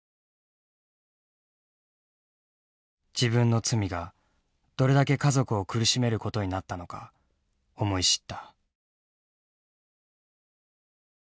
自分の罪がどれだけ家族を苦しめることになったのか思い知った。